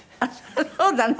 そうだね。